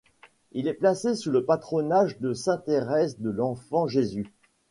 Il est placé sous le patronage de sainte Thérèse de l'Enfant-Jésus.